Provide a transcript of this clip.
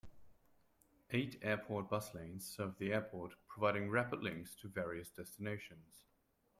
Eight airport bus lines serve the airport, providing rapid links to various destinations.